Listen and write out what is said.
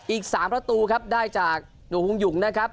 อีก๓ประตูครับได้จากหนูฮุงหยุงนะครับ